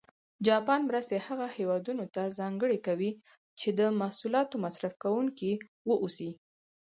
جاپان مرستې هغه هېوادونه ته ځانګړې کوي چې د محصولاتو مصرف کوونکي و اوسي.